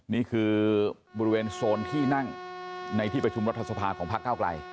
นี่คือบริเวณโซนที่นั่งในที่ประชุมรัฐสภาของพักเก้าไกล